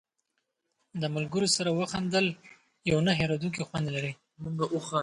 د ملګرو سره وخندل یو نه هېرېدونکی خوند لري.